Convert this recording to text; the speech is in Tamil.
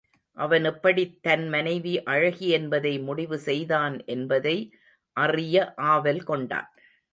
அவன் எப்படித் தன் மனைவி அழகி என்பதை முடிவு செய்தான் என்பதை அறிய ஆவல் கொண்டான்.